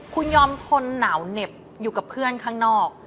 คุณยอมทนหนาวเหน็บอยู่กับเพื่อนข้างนอก